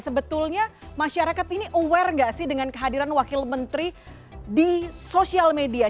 sebetulnya masyarakat ini aware nggak sih dengan kehadiran wakil menteri di sosial media